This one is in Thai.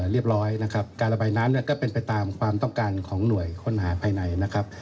เรียบร้อยนะครับการระบายน้ำเนี่ยก็เป็นไปตามความต้องการของหน่วยค้นหาภายในนะครับ